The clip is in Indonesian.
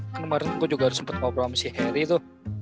kemarin gua juga sempet ngobrol sama si harry itu